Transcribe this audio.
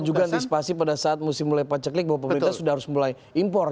dan juga antisipasi pada saat musim lepas ceklik bahwa pemerintah sudah harus mulai impor